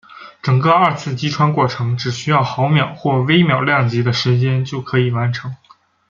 整个二次击穿过程只需要毫秒或微秒量级的时间就可以完成。